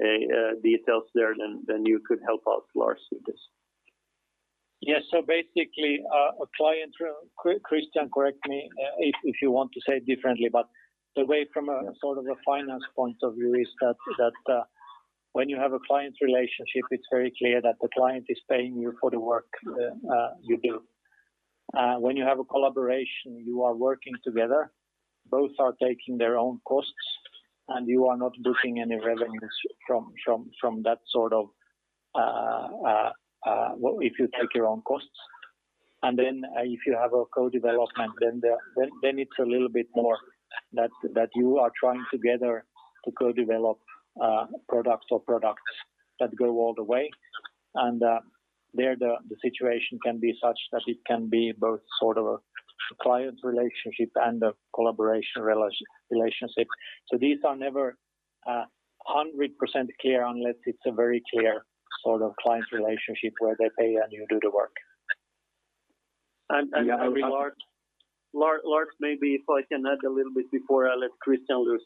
any details there, then you could help out Lars Hevreng with this. Yes. Basically, a client, Christian, correct me if you want to say it differently, but the way from a sort of a finance point of view is that when you have a client relationship, it's very clear that the client is paying you for the work you do. When you have a collaboration, you are working together. Both are taking their own costs, and you are not booking any revenues from that sort of if you take your own costs. If you have a co-development, it's a little bit more that you are trying together to co-develop products that go all the way. There the situation can be such that it can be both sort of a client relationship and a collaboration relationship. These are never 100% clear unless it's a very clear sort of client relationship where they pay and you do the work. Lars, maybe if I can add a little bit before I let Christian loose.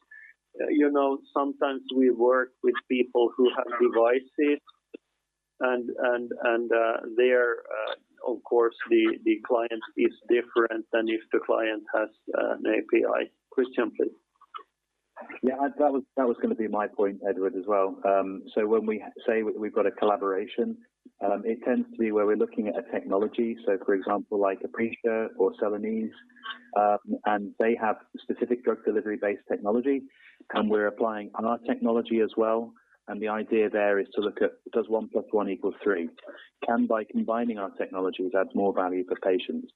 You know, sometimes we work with people who have devices and they're, of course, the client is different than if the client has an API. Christian, please. Yeah, that was gonna be my point, Edward, as well. When we say we've got a collaboration, it tends to be where we're looking at a technology. For example, like Aprecia or Celanese, and they have specific drug delivery-based technology, and we're applying our technology as well. The idea there is to look at does one plus one equal three. Can by combining our technologies add more value for patients?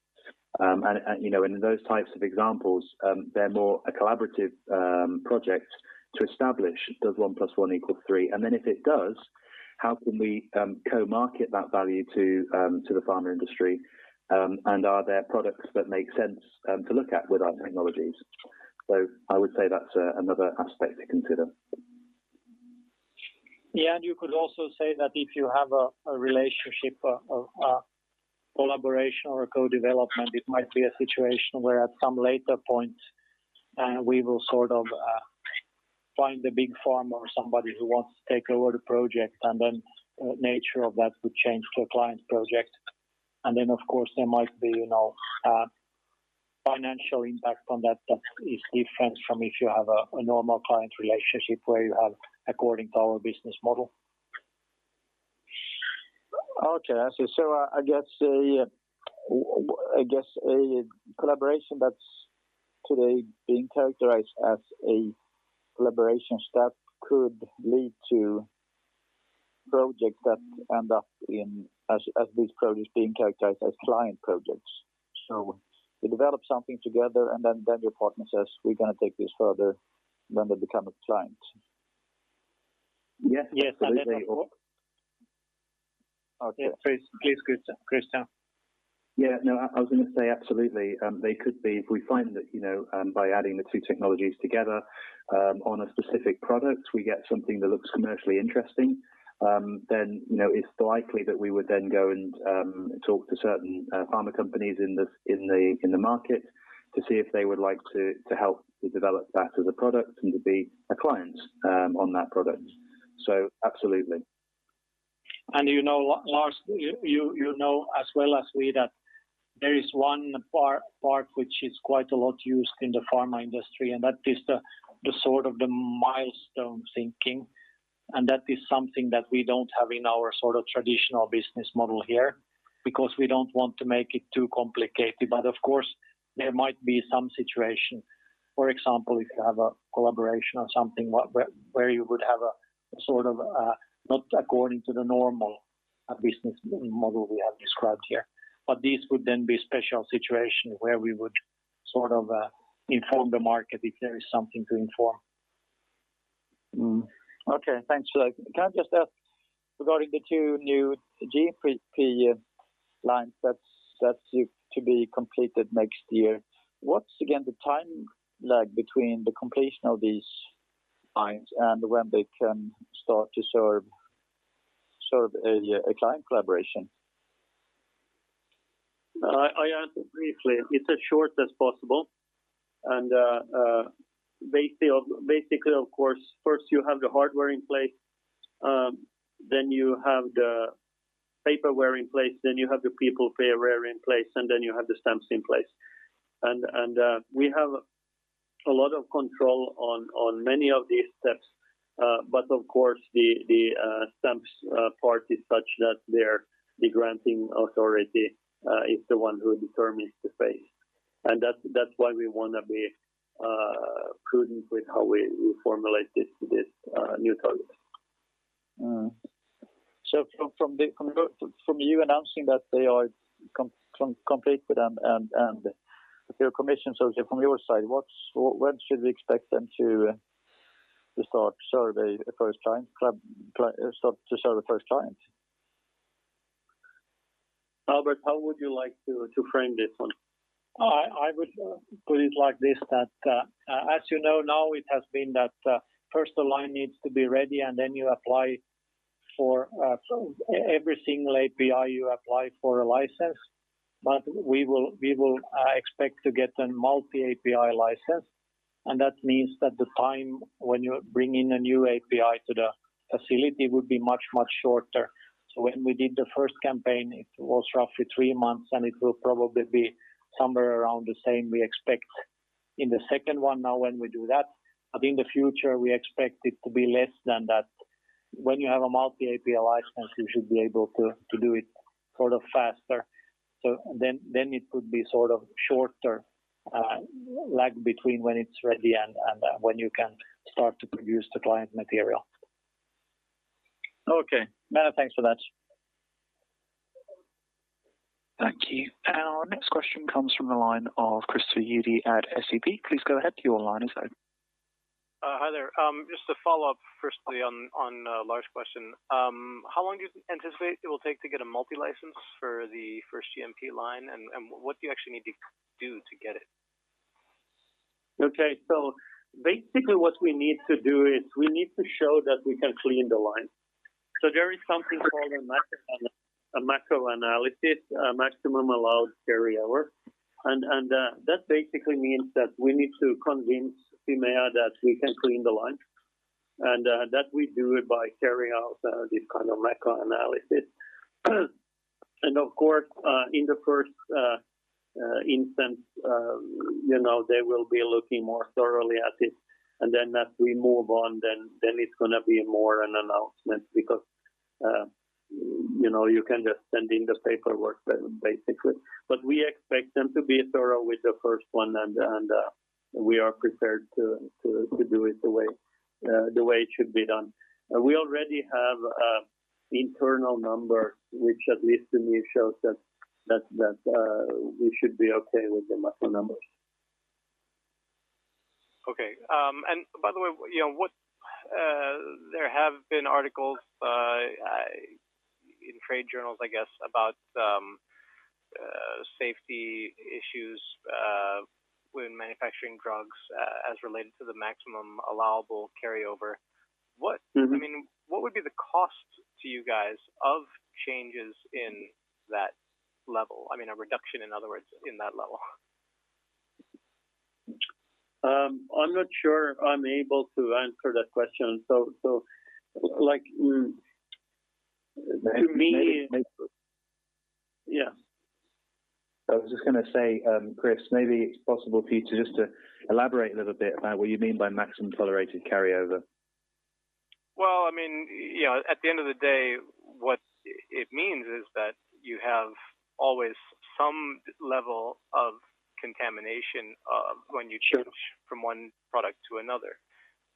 You know, in those types of examples, they're more a collaborative project to establish does 1 + 1 = 3. If it does, how can we co-market that value to the pharma industry? Are there products that make sense to look at with our technologies? I would say that's another aspect to consider. You could also say that if you have a relationship or a collaboration or a co-development, it might be a situation where at some later point we will sort of find a big pharma or somebody who wants to take over the project, and then nature of that would change to a client project. Then, of course, there might be, you know, financial impact from that that is different from if you have a normal client relationship where you have according to our business model. Okay. I see. I guess a collaboration that's today being characterized as a collaboration step could lead to projects that end up as these projects being characterized as client projects. You develop something together and then your partner says, "We're gonna take this further," then they become a client. Yes. Yes. Okay. Please, please, Christian. Christian. Yeah. No, I was gonna say absolutely. They could be. If we find that, you know, by adding the two technologies together, on a specific product, we get something that looks commercially interesting, then, you know, it's likely that we would then go and talk to certain pharma companies in the market to see if they would like to help to develop that as a product and to be a client on that product. So absolutely. You know, Lars, you know as well as we that there is one part which is quite a lot used in the pharma industry, and that is the sort of milestone thinking, and that is something that we don't have in our sort of traditional business model here because we don't want to make it too complicated. Of course, there might be some situation, for example, if you have a collaboration or something where you would have a sort of not according to the normal business model we have described here. These would then be special situations where we would sort of inform the market if there is something to inform. Mm-hmm. Okay. Thanks for that. Can I just ask regarding the two new GMP lines that's to be completed next year, what's again the time lag between the completion of these lines and when they can start to serve a client collaboration? I answer briefly. It's as short as possible and basically, of course, first you have the hardware in place, then you have the paperwork in place, then you have the people prepare in place, and then you have the stamps in place. We have a lot of control on many of these steps. Of course, the stamps part is such that they're the granting authority is the one who determines the phase. That's why we wanna be prudent with how we formulate this new target. From you announcing that they are completed and commissioning, say from your side, when should we expect them to start to serve the first client? Albert, how would you like to frame this one? I would put it like this, that as you know now, it has been that first the line needs to be ready, and then you apply for, so every single API you apply for a license. We will expect to get a multi API license, and that means that the time when you bring in a new API to the facility would be much shorter. When we did the first campaign, it was roughly three months, and it will probably be somewhere around the same we expect in the second one now when we do that. In the future, we expect it to be less than that. When you have a multi API license, you should be able to do it sort of faster. It could be sort of shorter lag between when it's ready and when you can start to produce the client material. Okay. No, thanks for that. Thank you. Our next question comes from the line of Christopher Uhde at SEB. Please go ahead. Your line is open. Hi there. Just to follow up firstly on Lars' question. How long do you anticipate it will take to get a multi license for the first GMP line, and what do you actually need to do to get it? Okay. Basically, what we need to do is we need to show that we can clean the line. There is something called a MACO - a MACO analysis, Maximum Allowable Carryover. That basically means that we need to convince Fimea that we can clean the line, and that we do it by carrying out this kind of MACO analysis. Of course, in the first instance, you know, they will be looking more thoroughly at it. As we move on, it's gonna be more an announcement because, you know, you can just send in the paperwork basically. We expect them to be thorough with the first one, and we are prepared to do it the way it should be done. We already have internal number, which at least to me shows that we should be okay with the macro numbers. Okay. By the way, you know, there have been articles in trade journals, I guess, about safety issues when manufacturing drugs as related to the Maximum Allowable Carryover. Mm-hmm. I mean, what would be the cost to you guys of changes in that level? I mean, a reduction, in other words, in that level. I'm not sure I'm able to answer that question. May-may-may- Yeah. I was just gonna say, Chris, maybe it's possible for you to just elaborate a little bit about what you mean by Maximum Allowable Carryover. Well, I mean, you know, at the end of the day, what it means is that you have always some level of contamination when you change. Sure. from one product to another.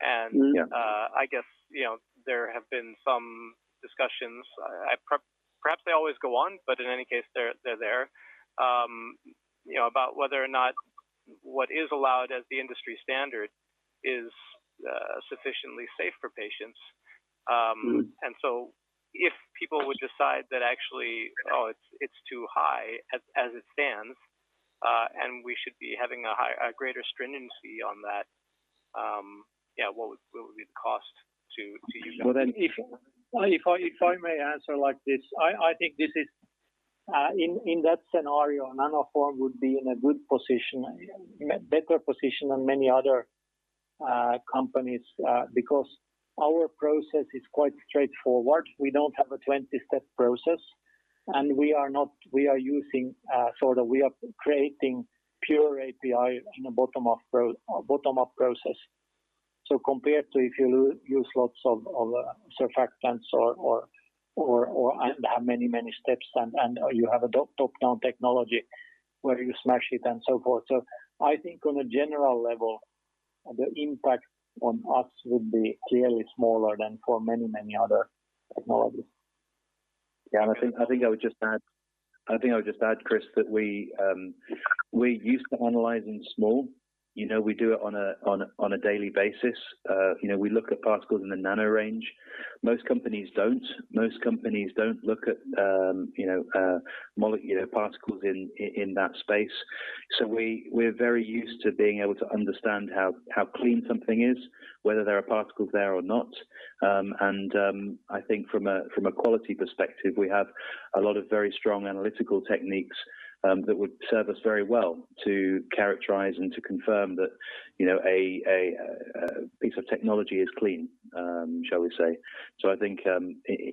Mm-hmm. I guess, you know, there have been some discussions, perhaps they always go on, but in any case, they're there, you know, about whether or not what is allowed as the industry standard is sufficiently safe for patients. Mm-hmm. If people would decide that actually, it's too high as it stands, and we should be having a greater stringency on that, what would be the cost to you guys? Well, if I may answer like this, I think this is in that scenario, Nanoform would be in a good position, a better position than many other. Companies, because our process is quite straightforward. We don't have a 20-step process, and we are using sort of we are creating pure API in a bottom-up process. Compared to if you use lots of surfactants and have many steps and you have a top-down technology where you smash it and so forth. I think on a general level, the impact on us would be clearly smaller than for many other technologies. Yeah. I think I would just add, Chris, that we're used to analyzing small. You know, we do it on a daily basis. You know, we look at particles in the nano range. Most companies don't look at you know, particles in that space. So we're very used to being able to understand how clean something is, whether there are particles there or not. I think from a quality perspective, we have a lot of very strong analytical techniques that would serve us very well to characterize and to confirm that you know, a piece of technology is clean, shall we say. I think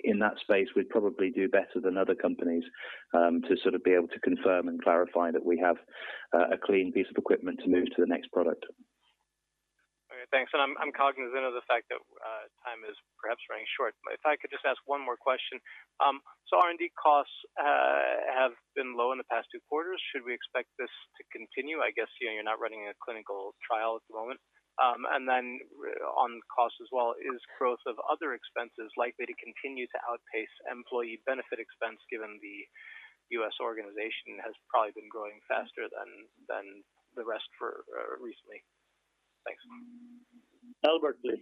in that space, we'd probably do better than other companies to sort of be able to confirm and clarify that we have a clean piece of equipment to move to the next product. Okay. Thanks. I'm cognizant of the fact that time is perhaps running short, but if I could just ask one more question. So R&D costs have been low in the past two quarters. Should we expect this to continue? I guess, you know, you're not running a clinical trial at the moment. And then on costs as well, is growth of other expenses likely to continue to outpace employee benefit expense given the US organization has probably been growing faster than the rest for recently? Thanks. Albert, please.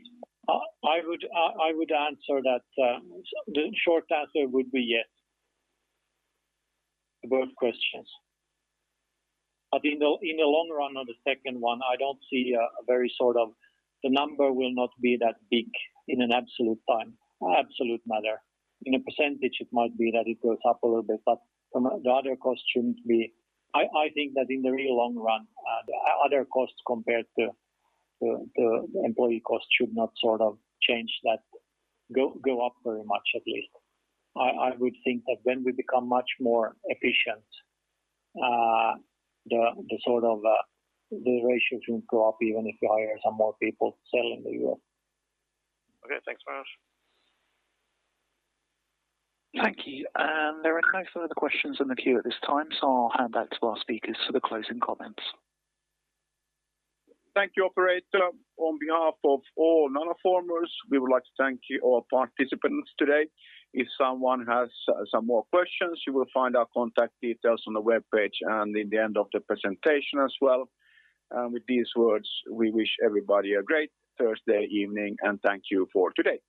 I would answer that, the short answer would be yes to both questions. In the long run on the second one, I don't see a very sort of The number will not be that big in an absolute time, absolute matter. In a percentage it might be that it goes up a little bit, from a The other cost shouldn't be I think that in the really long run, the other costs compared to the employee cost should not sort of change that go up very much at least. I would think that when we become much more efficient, the ratio shouldn't go up even if you hire some more people, certainly will. Okay. Thanks very much. Thank you. There are no further questions in the queue at this time, so I'll hand back to our speakers for the closing comments. Thank you, operator. On behalf of all Nanoformers, we would like to thank you all participants today. If someone has some more questions, you will find our contact details on the webpage and in the end of the presentation as well. With these words, we wish everybody a great Thursday evening, and thank you for today.